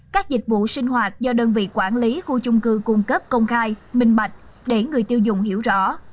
các dịch vụ sinh hoạt do đơn vị quản lý khu chung cư cung cấp công khai minh bạch để người tiêu dùng hiểu rõ